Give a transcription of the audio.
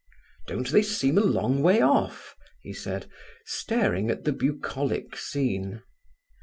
"Don't they seem a long way off?" he said, staring at the bucolic scene.